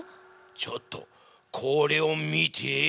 ちょっとこれを見て。